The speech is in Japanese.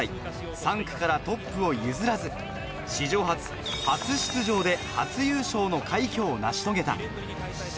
３区から一度もトップを譲らず史上初、初出場で初優勝の快挙を成し遂げた。